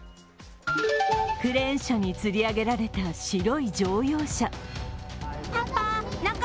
クレーン車につり上げられた白い乗用車。